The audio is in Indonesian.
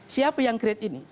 siapa yang create ini